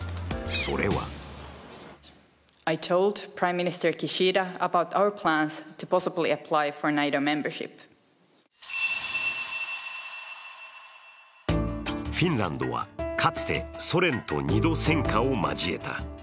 それはフィンランドは、かつてソ連と２度戦火を交えた。